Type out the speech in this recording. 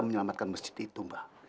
menyelamatkan masjid itu mba